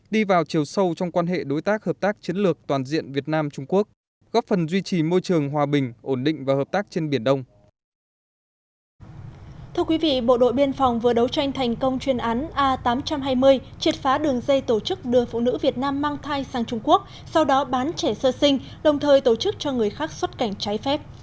đồng thời tổ chức cho người khác xuất cảnh trái phép